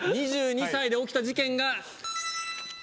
２２歳で起きた事件が。